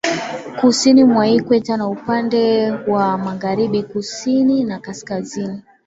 Kusini mwa Ikweta na upande wa Magharibi Kusini na Kaskazini